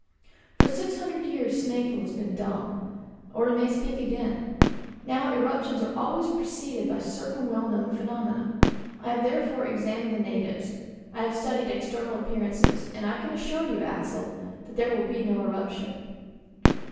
"For six hundred years Snæfell has been dumb; but he may speak again. Now, eruptions are always preceded by certain well known phenomena. I have therefore examined the natives, I have studied external appearances, and I can assure you, Axel, that there will be no eruption."